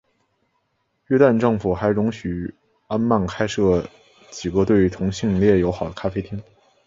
约旦政府还容许安曼开设了几个对同性恋友好的咖啡厅。